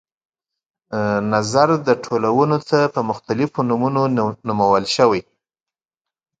نظر د ټولنو ته په مختلفو نمونو نومول شوي.